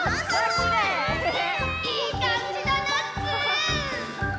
いいかんじだナッツ！